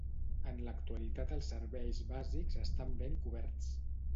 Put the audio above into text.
En l'actualitat els serveis bàsics estan ben coberts.